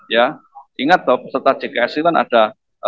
ya ingat dong peserta jksz kan ada